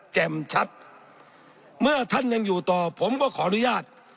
แจ่มชัดเมื่อท่านยังอยู่ต่อผมก็ขออนุญาต